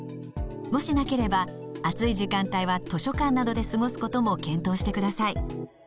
もしなければ暑い時間帯は図書館などで過ごすことも検討してください。